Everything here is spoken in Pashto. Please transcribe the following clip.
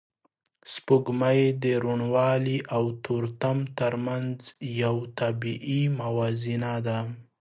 سپوږمۍ د روڼوالی او تورتم تر منځ یو طبیعي موازنه ده